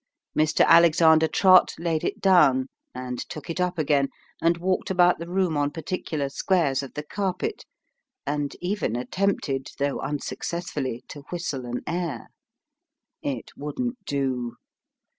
Mr. Alexander Trott laid it down, and took it up again, and walked about the room on particular squares of the carpet, and even attempted, though unsuccessfully, to whistle an air. It wouldn't do.